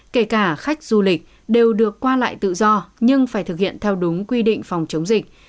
kể cả khách du lịch đều được qua lại tự do nhưng phải thực hiện theo đúng quy định phòng chống dịch